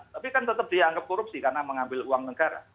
tapi kan tetap dianggap korupsi karena mengambil uang negara